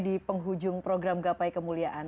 di penghujung program gapai kemuliaan